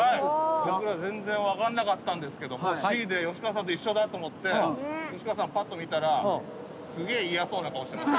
僕ら全然分かんなかったんですけど「Ｃ」で吉川さんと一緒だと思って吉川さんパッと見たらすげえ嫌そうな顔してました。